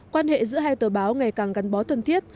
quan hệ giữa hai tờ báo ngày càng gắn bó thân thiết